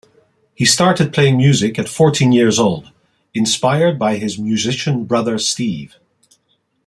He started playing music at fourteen years old, inspired by his musician brother, Steve.